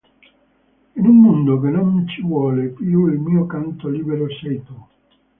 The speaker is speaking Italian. In un mondo che non ci vuole più il mio canto libero sei tu